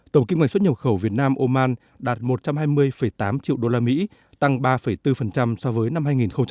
tổng kinh ngạch xuất nhập khẩu việt nam oman đạt một trăm hai mươi tám triệu đô la mỹ tăng ba bốn so với năm hai nghìn một mươi bảy